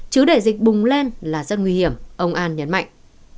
chứ để dịch bùng lên là rất nguy hiểm ông an nhấn mạnh